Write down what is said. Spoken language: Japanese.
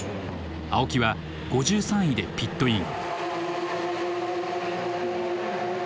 青木は５３位でピットイン。